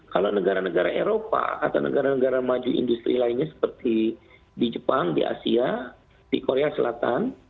kalau negara negara eropa atau negara negara maju industri lainnya seperti di jepang di asia di korea selatan